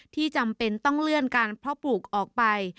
จำเป็นต้องเลื่อนการเพาะปลูกออกไป